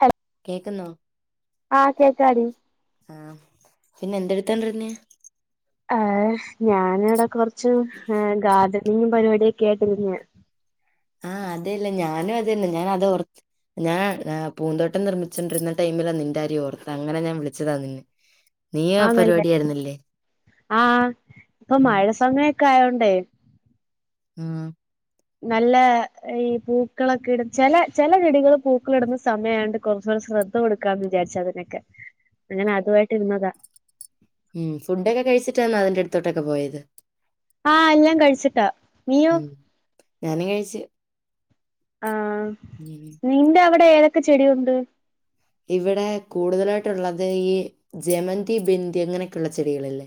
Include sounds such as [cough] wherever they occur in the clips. ഹേലോ കേക്കുന്നോ ആ കേക്കാടി ആഹ് പിന്നെ എന്തെടുത്തോണ്ടിരുന്നാ ആഹ് ഞാന് ഇവിടെ കുറച്ച ഗാർഡനിങ്ങും പരിപാടിയൊക്കെ ആയിട്ട് നിന്നയാ ആഹ് അല്ലേല്ല ഞാനും അതന്ന ഞാന് അത് ഓർ ഞാൻ പൂന്തോട്ടം നിർമ്മിച്ചോണ്ടിരുന്ന ടൈമിലാ നിന്റെ കാരിയം ഓർത്ത അങ്ങനെ ഞാൻ വിളിച്ചതാ നിന്നെ ഉം ആ നല്ല ആഹ് ഇപ്പൊ ഉം. മഴ സമയൊക്കെ ആയോണ്ടേ ഉം നല്ല ഈ പൂക്കളൊക്കെ ഇട ചെല ചെല വീടുകൾ പൂക്കളിടുന്ന സമയായോണ്ട് കുറച്ചുകൂടെ ശ്രദ്ധ കൊടുക്കാന്ന് വിചാരിച്ച് അതിനൊക്കെ അങ്ങനെ അതുവായിട്ട് ഇരുന്നതാ ഉം ഫുഡൊക്കെ കഴിച്ചിട്ടാന്നോ അതിന്റെ അടുത്തോട്ടൊക്കെ പോയത്? ആഹ് ഞാൻ കഴിച്ചിട്ടാ നീയോ? ഉം. ഞാനും കഴിച്ചു ആഹ് നിന്റെ അവിടെ ഏതൊക്കെ ചെടിയുണ്ട്? ഇവിടെ കൂടുതലായിട്ടൊള്ളത് ഈ ജമന്തി ബന്തി അങ്ങനെയൊക്കെള്ള ചെടികളല്ലേ.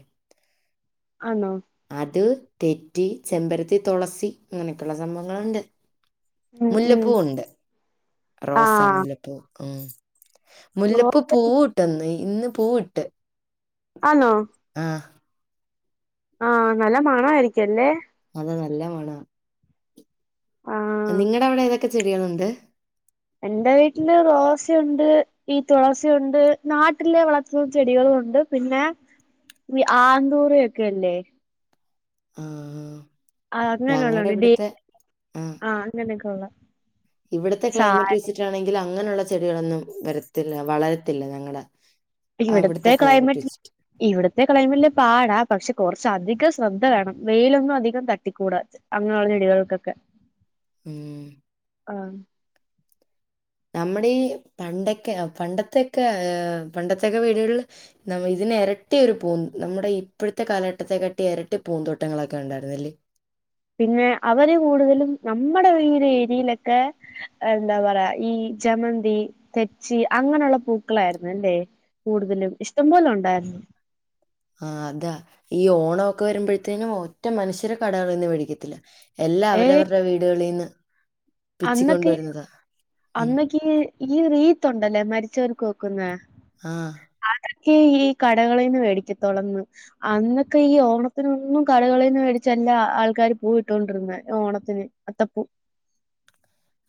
ആണോ? അത് തെറ്റി ചെമ്പരത്തി തൊളസി അങ്ങനെയൊക്കെള്ള സംഭവങ്ങളുണ്ട്. ഉം ഉം മുല്ലപ്പൂവൊണ്ട് റോസ ആഹ് മുല്ലപ്പൂ ഉം ഓ മുല്ലപ്പൂ പൂവിട്ടന്ന് ഇന്ന് പൂവിട്ട്. ആന്നോ ആഹ് ആഹ് നല്ല മണായിരിക്കും അല്ലേ? അത് നല്ലമണാ ആഹ് നിങ്ങടെ അവിടെ ഏത് ഒക്കെ ചെടികളുണ്ട്. എൻറെ വീട്ടില് റോസയുണ്ട് ഈ തുളസിയുണ്ട് നാട്ടിലെ വളർത്തുന്ന ചെടികളും ഉണ്ട്. പിന്നെ ആന്തൂറിയൊക്കെല്ലേ. ആഹ് ആഹ് അങ്ങനെ ഉള്ളതാണ് ഡേ ആഹ് അങ്ങനൊക്കെ ഒള്ള. ഇവിടത്തെ ക്ലൈമറ്റ് വെച്ചിട്ടാണെങ്കിൽ അങ്ങനെയുള്ള ചെടികളൊന്നും വരത്തില്ല വളരത്തില്ല ഞങ്ങടെ. അവിടുത്തെ ഇവിടുത്തെ ക്ലൈമറ്റ് വെച്ചിട്ട്. ഇവിടത്തെ ക്ലൈമറ്റില് പാടാ പക്ഷെ കൊറച്ച് അധികം ശ്രദ്ധ വേണം വെയിലൊന്നും അധികം തട്ടിക്കൂടാ. അങ്ങനെയുള്ള ചെടികൾക്കൊക്കെ. ഉം ആഹ് നമ്മുടെ ഈ പണ്ടൊക്കെ പണ്ടത്തെയൊക്കെ വീടുകളില് നമ്മ ഇതിന് ഇരട്ടിയൊരു പൂം നമ്മുടെ ഇപ്പോഴത്തെ കാലഘട്ടത്തെക്കാട്ടി ഇരട്ടി പൂന്തോട്ടങ്ങളൊക്കെ ഉണ്ടായിരുന്നല്ലേ പിന്നെ അവര് കൂടുതലും നമ്മടെ ഈ ഒരു ഏരിയയിലൊക്കെ എന്താ പറയാ ഈ ജമന്തി തെച്ചി അങ്ങനൊള്ള പൂക്കളാരുന്നല്ലേ കൂടുതലും ഇഷ്ടം പോലൊണ്ടാരുന്നു ആഹ് അതാ ഈ ഓണവൊക്കെ വരുമ്പോഴത്തേനും ഒറ്റ മനുഷ്യര് കടകളീന്ന് മേടിക്കത്തില്ല എല്ലാ ഏ അവരവരുടെ വീടുകളീന്ന് പിച്ചി അന്നൊക്കെ കൊണ്ടുവരുന്നതാ ഉം. അന്നൊക്കെ ഈ റീത്ത് ഒണ്ടല്ലേ മരിച്ചവർക്ക് വക്കുന്നെ ആഹ് അതൊക്കെ ഈ കടകളീന്ന് വേടിക്കത്തോളന്ന് അന്നൊക്കെ ഈ ഓണത്തിനൊന്നും കടകളീന്ന് വേടിച്ചല്ല ആൾക്കാര് പൂവിട്ടോണ്ടിരുന്നെ ഓണത്തിന് അത്തപ്പൂ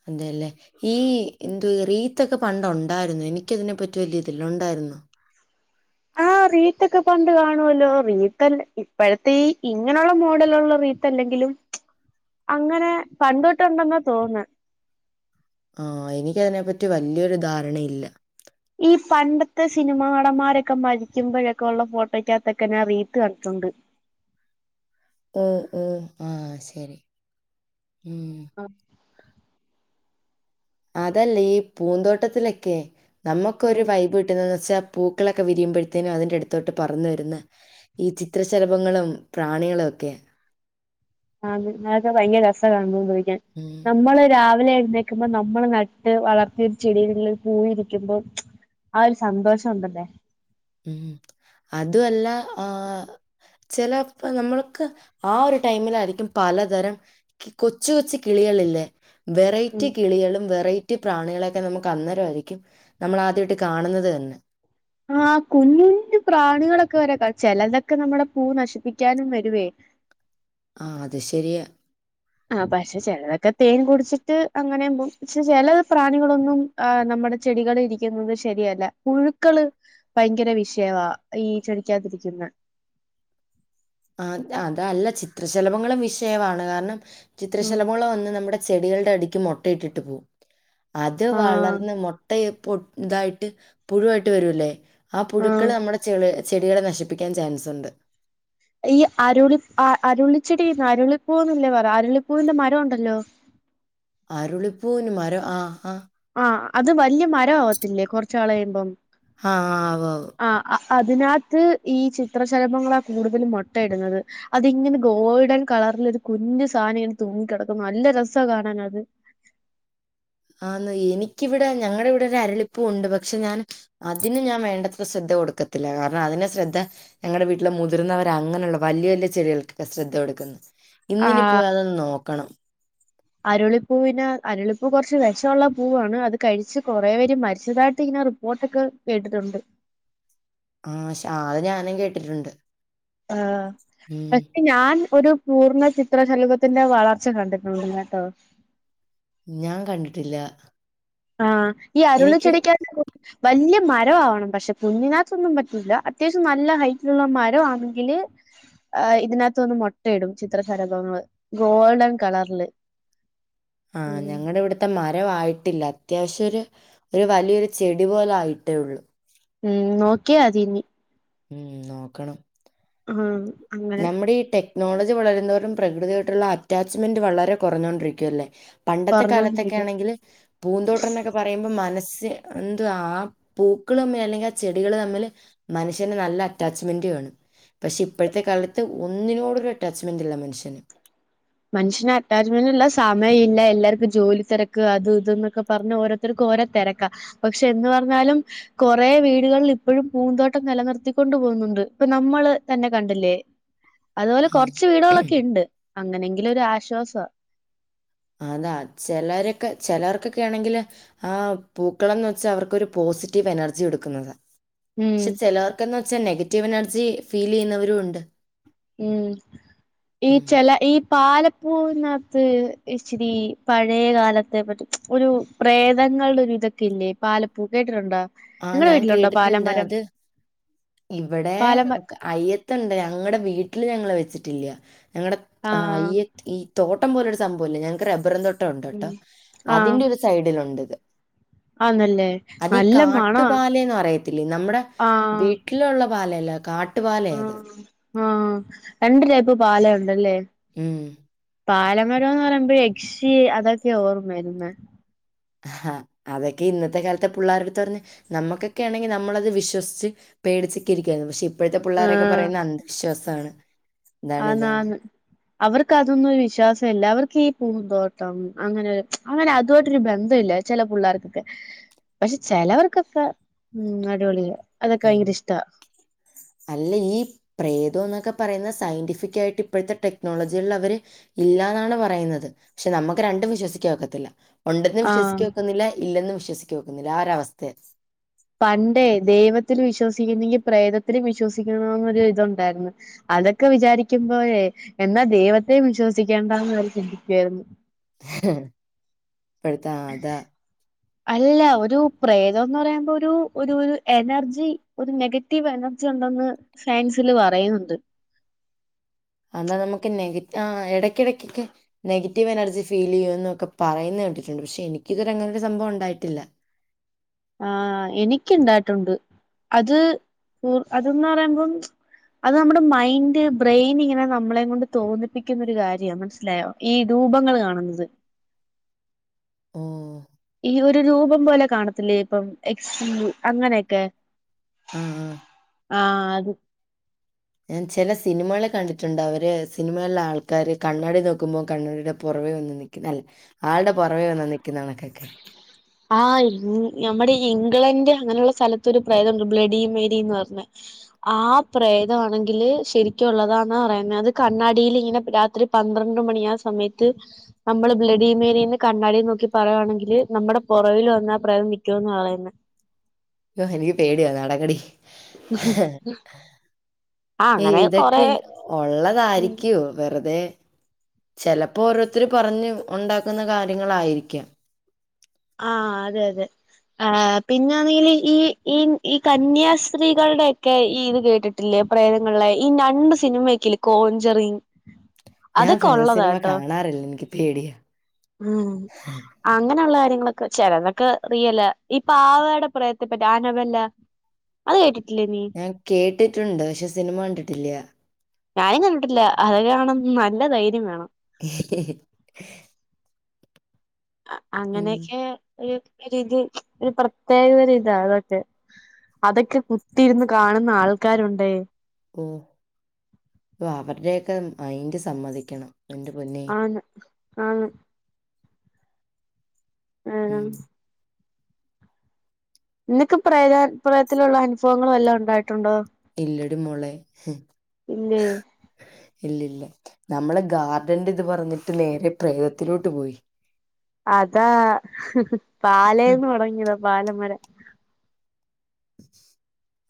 അതേല്ലേ ഈ എന്തുവാ റീത്തൊക്കെ പണ്ടൊണ്ടാരുന്നൊ എനിക്കതിനെപ്പറ്റി വലിയ ഇതില്ല ഒണ്ടാരുന്നോ ആഹ് റീത്തൊക്കെ പണ്ട് കാണുവല്ലോ റീത്തല്ല ഇപ്പോഴത്തെ ഈ ഇങ്ങനൊള്ള മോഡലൊള്ള റീ ത്തല്ലെങ്കിലും അങ്ങനെ പണ്ടുതൊട്ടൊണ്ടെന്നാ തോന്നുന്നെ ആഹ് എനിക്കതിനെപ്പറ്റി വല്ല്യൊരു ധാരണയില്ല ഈ പണ്ടത്തെ സിനിമാ നടന്മാരൊക്കെ മരിക്കുമ്പോഴെക്കൊള്ള ഫോട്ടോയ്ക്കാത്തൊക്കെ ഞാൻ റീത്ത് കണ്ടിട്ടുണ്ട് ഓഹ് ഓഹ് ആഹ് ശരി ഉം ആഹ് അതല്ലേ ഈ പൂന്തോട്ടത്തിലൊക്കെ നമ്മുക്കൊരു ഉം വൈബ് കിട്ടുന്നത് ന്നെച്ചാ പൂക്കളൊക്കെ വിരിയുബഴ്ത്തിനും അതിൻ്റ അടുത്തോട്ട് പറന്ന് വരുന്ന ഈ ചിത്രശലഭങ്ങളും പ്രാണികളൊ ക്കെ ആതെ അതൊക്കെ ഭയങ്കര രസാ കണ്ടോണ്ടിരിക്കാൻ ഉം. നമ്മള് രാവിലെ എഴുന്നേ ക്ക്ബോ നമ്മള് നട്ട് വളർത്തിയൊരു ചെടിയില് പൂവ് ഇരിക്കുമ്പോം ആ ഒരു സന്തോഷംണ്ടല്ലേ ഉം അതൊല്ല ആ ചെലപ്പോ നമ്മൾക്ക് ആ ഒരു ടൈമിലാരിക്കും പലതരം കൊച്ചു കൊച്ചു കിളികളില്ലേ ഉം വെറൈറ്റി കിളികളും വെറൈ റ്റി പ്രാണികളൊക്കെ നമ്മക്ക് അന്നേര വായിരിക്കും നമ്മള് ആദ്യായിട്ട്കാണുന്നത് തന്നെ ആ കുഞ്ഞുകുഞ്പ്രാണികളൊക്കെ വ രേ ചെലതൊക്കെ നമ്മടെ പൂ നശിപ്പിക്കാനും വരുവേ ആഹ് അത് ശരിയാ ആഹ് പക്ഷെ ചെലതൊക്കെ തേൻ കുടിച്ചിട്ട് അങ്ങനേം പോം ക്ഷേ ചെല പ്രാണികളൊന്നും ആഹ് നമ്മടെ ചെടികളിലിരിക്കുന്നത് ശരിയല്ല പുഴുക്കള് ഭയങ്കര വിഷയവാ ഈ ചെടിക്കകത്ത് ഇരിക്ക്ന്നെ അഹ് അതല്ല ചിത്രശലഭങ്ങളും വിഷയ വാണ് കാരണം ഉം ചിത്രശലഭങ്ങളും വന്ന് നമ്മുടെ ചെടികൾടെ അടിക്ക് മുട്ട ഇട്ടിട്ട് പൂവും അത് ആഹ് വളർന്ന് മുട്ടയെ പൊ ഇതായിട്ട് പുഴുവായിട്ട് വരൂല്ലേ ആ ആഹ് പുഴുക്കൾ നമ്മുടെ ചെ ചെടികളെ നശിപ്പിക്കാൻ ചാൻസ്ണ്ട് ഈ അരുളി അ അരുളിച്ചെടിന്ന് അരുളിപ്പൂവ്ന്നല്ലേ പറ്യാ അരുളിപ്പൂവിന്റെ മരം ഉണ്ടല്ലോ ആരുളിപ്പൂവിന് മരംആഹ് ആഹ് ആഹ് അത് വല്ല്യ മരാവത്തില്ലേ കെറച്ച് നാള്കഴിമ്പം ആഹ് ഉവ്വ് ഉവ്വ്. ആഹ് അ അതിനകത്ത് ഈ ചിത്രശലഭങ്ങളാ കൂട്തലും മൊട്ടയിടുന്നത് അതിങ്ങനെ ഗോൾഡൻ കളറ്‌ല് ഒരു കുഞ്ഞ് സാനം ഇങ്ങനെ തൂങ്ങി കടക്കും നല്ല രസാ കാണാനത് ആന്ന് എനിക്കിവിടെ ഞങ്ങള ഇവിടെ ഒര അരളിപൂവ്ണ്ട് പക്ഷെ ഞാൻ അതിന് ഞാ വേണ്ടത്ര ശ്രദ്ധ കൊടുക്കത്തില്ല കാരണം അതിനെശ്രദ്ധ ഞങ്ങടെ വീട്ടില മുതിർന്നവരാ അങ്ങനള്ള വല്ല്യ വല്ല്യ ചെടികൾക്കക്കെ ശ്രദ്ധ കൊടുക്ക്ന്ന് ആഹ് ഇന്നിനിപ്പം അതൊന്ന് നോക്കണം അരുളിപ്പൂവിന് അരുളിപ്പൂ കൊറച്ച് വെ ശൊള്ള പൂവാണ് അത് കഴിച്ച് കൊറേ പേര് മരിച്ചതായിട്ട് ഇങ്ങനെ റി പ്പോട്ടൊക്കെ കേട്ടിട്ടുണ്ട് ആഹ് ശെ ആ അത് ഞാനും കേട്ടിട്ടുണ്ട് ആഹ് ഉം. [unintelligible] ഞാൻ ഒരു പൂർണ്ണ ചിത്രശലഭത്തിന്റെ വളർച്ച കണ്ടിട്ടുണ്ട് കേട്ടോ ഞാ കണ്ടിട്ടില്ല ആഹ് ഈ അരുളി എനിക്ക് ചെടിക്കകത് വല്ല്യ മരം ആവണം പക്ഷെ കുഞ്ഞിനകത്തൊന്നും പറ്റൂല്ല അത്യാവശ്യം നല്ല ഹൈറ്റിലുള്ള മരം വാണെങ്കില് ആഹ് ഇതിനകത്തൊന്ന് മുട്ടയിടും ചിത്രസരഭങ്ങള് ഗോൾഡൻ കളർല് ആഹ് ഞങ്ങടെ ഇവിടെ മരവായിട്ടില്ല അത്യാവശ്യം ഒര് ഒര് വലിയൊരു ചെടി പോലെ ആായിട്ടേ ഒള്ളൂ ഉം നോക്ക്യ അതീനി ഉം നോക്കണം ഉം നമ്മടെ ഈ ട്ടെ നോളജ് വളരും തോറും പ്രകൃതിയായിട്ടുള്ള അറ്റാച്ച്മെന്റ് വളരെ കുറഞ്ഞോണ്ടിരിക്കുവല്ലേ? പണ്ടത്തെ പറഞ്ഞോണ്ടിരിക്കും കാലത്തൊക്കൊണെങ്കിൽ പൂന്തോട്ടം എന്നൊക്കെ പറയുമ്പോൾ മനസ്സ് എന്തു ആ പൂക്കൾ തമ്മിൽ അല്ലെങ്കിൽ ആഹ് ചെടികള് തമ്മില് മനുഷ്യന് നല്ല അറ്റാച്ച്മെന്റ് വേണം. പക്ഷെ ഇപ്പോഴത്തെ കാലത്ത് ഒന്നിനോടും ഒര് അറ്റാച്ച്മെൻറ് ഇല്ല മനുഷ്യന്. മനുഷ്യന് അറ്റാച്ച്മെന്റ്ല്ല സമയം ഇല്ല, എല്ലാവർക്കും ജോലി തിരക്ക് അത് ഇതന്നൊക്കെ പറഞ്ഞ ഓരോ ഓരോരുത്തർക്ക് ഓരോ തിരക്ക. പക്ഷെ എന്ന് പറഞ്ഞാലും കൊറെ വീടുകളിൽ ഇപ്പോഴും പൂന്തോട്ടം നിലനിർത്തിക്കൊണ്ട് പോകുന്നുണ്ട് ഇപ്പൊ നമ്മള് തന്നെ കണ്ടില്ലേ? അതുപോലെ ആഹ്. കൊറച്ച് വീടുകളൊക്കെ ഉണ്ട്, അങ്ങനെങ്കിലും ഒരു ആശ്വാസ അതാ ചിലരൊക്കെ ചിലർക്കൊക്കെ ആണെങ്കില് ആഹ് പൂക്കളം എന്ന് വെച്ചാ അവർക്കൊരു പോസിറ്റീവ് എനർജി എടുക്കുന്നത. ഉം പക്ഷെ ചിലവർക്കെന്ന് വെച്ചാൽ നെഗറ്റീവ് എനർജി ഫീൽ ചെയ്യുന്നവരും ഉണ്ട്. ഉം. ഈ ഉം. ചെല ഈ പാലപ്പൂവിനകത്ത് ഇച്ചിരി പഴയ കാലത്തെ പറ്റി ഒരു പ്രേതങ്ങളുടെ ഒരു ഇതൊക്കെ ഇല്ലേ പാലപ്പൂ കേട്ടിട്ടുണ്ടോ ആഹ് നിങ്ങളെ ഞാൻ വീട്ടിലുണ്ടോ കേട്ടിട്ടുണ്ട് പാലമരം അത് ഇവിടെ പാലമ അയ്യത്തുണ്ട് ഞങ്ങളുടെ വീട്ടിൽ ഞങ്ങള് വെച്ചിട്ടില്ല ഞങ്ങളടെ ആഹ് അയ്യ ഈ തോട്ടം പോലൊരു സംഭവംഇല്ലേ? ഞങ്ങക്ക് റബ്ബർ തോട്ടം ഉം ഉണ്ട്ട്ടോ ആഹ് അതിന്റെ ഒരു സൈഡിൽ ഉണ്ട്ഇത്. ആന്നല്ലേ നല്ല മണ കാട്ടുപാലഎന്ന് പറയത്തില്ലേ, നമ്മുടെ വീട്ടിലുള്ള പാലയല്ല കാട്ടുപാലയാ ഇത്. ആഹ് ആഹ് രണ്ട് ടൈപ്പ് പാലുണ്ടല്ലേ? ഉം പാലമരോന്ന് പറയുമ്പോ യക്ഷി അതൊക്കെയാ ഓർമ്മവര്ന്നെ ആഹ് അതൊക്കെ ഇന്നത്തെ കാലത്തെ പിള്ളേരുടുത്ത് പോയി പറഞ്ഞ് നമ്മുക്കൊക്കെ ആണെങ്കിൽ നമ്മളത് വിശ്വസിച്ച് പേടിച്ഒക്കെ ഇരിക്കായിരുന്നു പക്ഷെ ഇപ്പോഴത്തെ പിള്ളോരൊക്കെ ആഹ് പറയുന്നത് അന്ധവിശ്വാസമാണ് ഇതാണ് ആന്ന് ഇതാണ് ആണ്. അവർക്ക് അതൊന്നും ഒരു വിശ്വാസം ഇല്ല. അവർക്ക് ഈ പൂന്തോട്ടം അങ്ങനെ ഒരു അങ്ങനെ അതുആയിട്ടൊരു ബന്ധം ഇല്ല. ചില പിള്ളേർക്കൊക്കെ, പക്ഷെ ചിലവർക്കൊക്കെ മം അടിപൊളിയാ അതോക്കെ ഉം ഭയങ്കര ഇഷ്ടാ അല്ല ഈ പ്രേതം എന്നൊക്കെ പറയുന്ന സയന്റിഫിക്കായിട്ട് ഇപ്പോഴത്തെ ടെക്നോളജിലുള്ളവര് ഇല്ലാന്നാണ് പറയുന്നത്. പക്ഷെ നമുക്ക് രണ്ടും വിശ്വസിക്കാൻ ഒക്കത്തില്ല. ഉണ്ടെന്ന് ആഹ് വിശ്വസിക്ക ഒക്കുന്നില്ല, ഇല്ലെന്നും വിശ്വസികാനോക്കുന്നില്ല ആഹ് ഒര് അവസ്ഥയ പണ്ടേ ദൈവത്തിൽ വിശ്വസിക്കുന്നെങ്കിൽ പ്രേതത്തിലും വിശ്വസിക്കണന്നൊരു ഇതുണ്ടായിരുന്നു. അതൊക്കെ വിചാരിക്കുമ്പോഴേ എന്നാ ദൈവത്തെയും വിശ്വസിക്കേണ്ടാന്ന് അവര് ചിന്തിക്കുവായിരുന്നു പടുത്ത അത അല്ല. ഒരു പ്രേതോന്ന് പറയുമ്പോൾ ഒരു ഒരു ഒരു എനർജി ഒരു നെഗറ്റീവ് എനർജി ഒണ്ടെന്ന് സയൻസില് പറയുന്നുണ്ട് അതാ നമക്ക് നെഗ ആഹ് എടയ്ക്ക്യെടക്കൊക്കെ നെഗറ്റീവ് എനർജി ഫീലേയ്യും എന്നൊക്കെ പറയുന്ന കേട്ടിട്ടൊണ്ട് പക്ഷെ എനിക്കിതൊര അങ്ങനൊരു സംഭവം ഒണ്ടായിട്ടില്ല ആഹ് എനിക്ക് ഇണ്ടായിട്ടുണ്ട്. അത് അതന്ന് പറയുമ്പം അത് നമ്മുടെ മൈൻഡ്, ബ്രെയിൻ ഇങ്ങനെ നമ്മളേങ്കൊണ്ട് തോന്നിപ്പിക്കുന്നൊരു കാര്യാ മനസ്സിലായോ? ഈ രൂപങ്ങൾ കാണുന്നത് ഓഹ് ഈ ഒരു രൂപം പോലെ കാണത്തില്ലേ ഇപ്പം എക്സ് അങ്ങനെയൊക്കെ ആഹ് ആഹ് ആഹ് അത് ഞാൻ ചെല സിനിമകള് കണ്ടിട്ടൊണ്ട് അവര് സിനിമേള്ള ആൾക്കാര് കണ്ണാടി നോക്കുമ്പൊ കണ്ണാടീടെ പൊറവേ വന്നു നിക്ക് അല്ല ആൾടെ പൊറവേ വന്ന് നിക്കുന്ന കണക്കൊക്കെ ആഹ് ഇ നമ്മടെ ഇംഗ്ലണ്ട് അങ്ങനൊള്ള സ്ഥലത്ത് ഒരു പ്രേതൊണ്ട് ബ്ലഡി മേരീന്ന് പറഞ്ഞ ആ പ്രേതവാണെങ്കില് ശരിക്കു ഒള്ളതാന്ന പറയുന്നെ അത് കണ്ണാടീൽ ഇങ്ങനെ രാത്രി പന്ത്രണ്ട് മണി ആ സമയത്ത് നമ്മൾ ബ്ലഡിമേരീന്ന് കണ്ണാടി നോക്കി പറയുവാണെങ്കില് നമ്മടെ പൊറവില് വന്നാ പ്രേതം നിക്കുവന്ന പറയുന്നെ യ്യോ എനിക്ക് പേടിയാവന്ന് അടങ്ങടി ഹ് ആഹ് ഏയ് അങ്ങനെ കൊറെ ഇതൊക്കെ ഉം ഒള്ളതാരിക്കോ വെറുതെ ചെലപ്പൊ ഓരോരുത്തര് പറഞ്ഞ് ഒണ്ടാക്കുന്ന കാര്യങ്ങളായിരിക്കാം ആഹ് അതെ അതെ ആഹ് പിന്നാണെങ്കില് ഈ ഈ ഈ കന്യാസ്ത്രീകൾടെ ഒക്കെ ഈ ഇത് കേട്ടിട്ട് ഇല്ലെ പ്രേതങ്ങള്ളെ ഈ നണ്ണ് സിനിമയൊക്കില്ലെ കോഞ്ചറി ഞാൻ പ്രേതസിനിമ കാണാറില്ല എനിക്ക് പേടിയാ അങ്ങനൊള്ള കാര്യങ്ങളൊക്ക ചെലതൊക്ക റിയല ഈ പാവേടെ പ്രേതത്തെ പറ്റി അനബല്ല അത് കേട്ടിട്ടില്ലേ നീ ഞാൻ കേട്ടിട്ടുണ്ട് പക്ഷെ സിനിമ കണ്ടിട്ടില്ല ഞാനും കണ്ടിട്ടില്ല അതൊക്കെ കാണം നല്ല ധൈരം വേണം [unintelligible] ഉം. അങ്ങനെയെക്കെ ഒരുതി ഒരു പ്രത്യേകതരം ഇതാ അതൊക്കെ അതൊക്കെ കുത്തിയിരുന്ന് കാണുന്ന ആൾക്കാരൊണ്ടേ ഓഹ് അവരടൊക്കെ മയിന്റ് സമ്മതിക്കണം എന്റെ പൊന്നേ ആണ് ആണ് ആഹ് ഉം നിനക്ക് പ്രെ പ്രേത്തിലുള്ള അനുഭവങ്ങൾ വെല്ലോം ഒണ്ടായി ഇല്ലടി മോളെ ഇല്ലേ ഇല്ലില്ല നമ്മള് ഗാർഡന്റെറ്റിത് പറഞ്ഞിട്ട് നേരെ പ്രേതത്തിലോട്ട് പോയി അതാ ഹും. പാലേന്ന് തൊടങ്ങിയതാ പാലമരം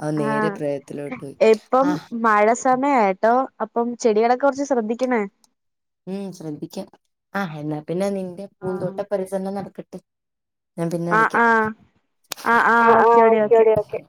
ആ നേരെ ആഹ് പ്രേതത്തിലോട്ട് പോയി. എപ്പം ആഹ്! മഴ സമയാട്ടോ അപ്പം ചെടികളൊക്കെ കൊറച്ച് ശ്രദ്ധിക്കണേ ഉം ശ്രദ്ധിക്കാം ആഹ് എന്നാപ്പിന്നെ നിന്റെ ആഹ് പൂന്തോട്ട പരിസരണം നടക്കട്ടെ ഞാൻ പിന്നെ ആഹ് വിളിക്കാം ആഹ് ആഹ് ആഹ് ഓക്കേടി ഓക്കെ